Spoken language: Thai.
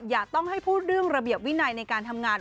อย่าต้องให้พูดเรื่องระเบียบวินัยในการทำงาน